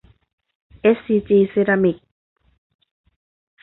เอสซีจี เซรามิกส์